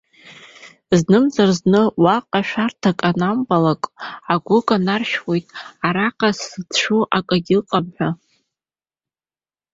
Знымзар-зны уаҟа шәарҭак анамбалак, агәы канаршәуеит, араҟа сзыцәшәо акгьы ыҟам ҳәа.